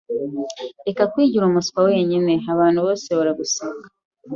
Reka kwigira umuswa wenyine. Abantu bose baraguseka.